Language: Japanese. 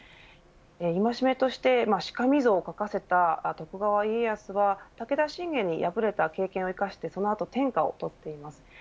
戒めとして、しかみ像を描かせた徳川家康は武田信玄に敗れた経験を生かしてその後、天下を取っています。